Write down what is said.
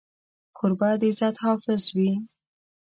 کوربه د عزت حافظ وي.